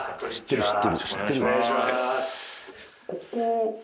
お願いします。